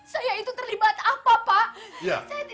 saya itu terlibat apa pak